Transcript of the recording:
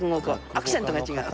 アクセントが違う。